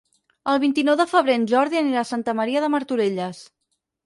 El vint-i-nou de febrer en Jordi anirà a Santa Maria de Martorelles.